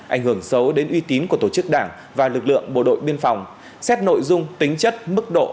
ảnh hưởng xấu đến uy tín của tổ chức đảng và lực lượng bộ đội biên phòng xét nội dung tính chất mức độ